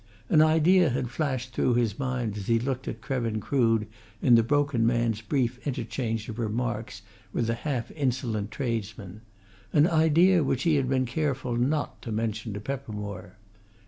An idea had flashed through his mind as he looked at Krevin Crood in the broken man's brief interchange of remarks with the half insolent tradesman: an idea which he had been careful not to mention to Peppermore.